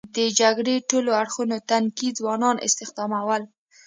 د جګړې ټولو اړخونو تنکي ځوانان استخدامول.